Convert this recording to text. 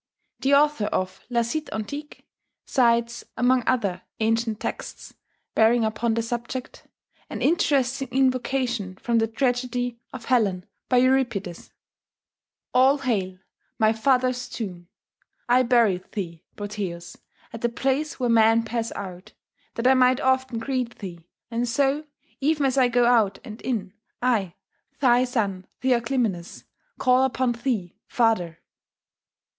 The author of 'La Cite Antique' cites, among other ancient texts bearing upon the subject, an interesting invocation from the tragedy of Helen, by Euripides: "All hail! my father's tomb! I buried thee, Proteus, at the place where men pass out, that I might often greet thee; and so, even as I go out and in, I, thy son Theoclymenus, call upon thee, father!